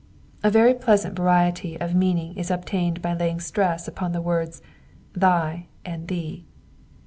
A very pleasant variety of meaning is obtained by laying stress upon the words thy" and *'thee."